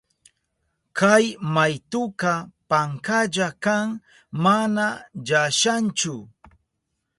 Kay maytuka pankalla kan, mana llashanchu.